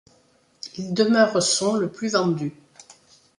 Il demeure son le plus vendu.